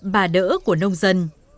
bà đỡ của nông dân